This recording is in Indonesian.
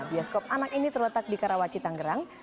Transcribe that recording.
bioskop anak ini terletak di karawaci tangerang